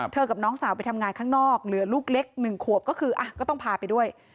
กับน้องสาวไปทำงานข้างนอกเหลือลูกเล็ก๑ขวบก็คือก็ต้องพาไปด้วย